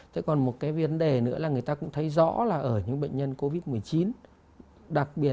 thế còn một cái vấn đề nữa là người ta cũng thấy rõ là ở những bệnh nhân covid một mươi chín đặc biệt